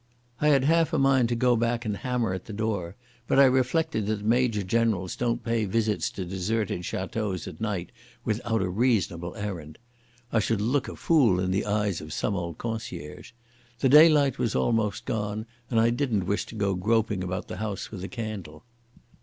I had half a mind to go back and hammer at the door, but I reflected that major generals don't pay visits to deserted châteaux at night without a reasonable errand. I should look a fool in the eyes of some old concierge. The daylight was almost gone, and I didn't wish to go groping about the house with a candle.